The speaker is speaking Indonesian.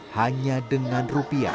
dan juga untuk mencari penjualan